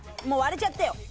もう割れちゃったよ